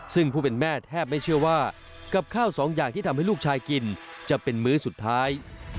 ซึ่งผู้เป็นแม่แทบไม่เชื่อว่ากับข้าวสองอย่างที่ทำให้ลูกชายกินจะเป็นมื้อสุดท้าย